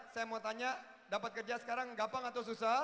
saya mau tanya dapat kerja sekarang gampang atau susah